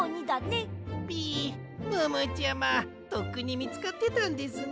ピムームーちゃまとっくにみつかってたんですね。